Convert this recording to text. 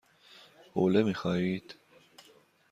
حوله می خواهید؟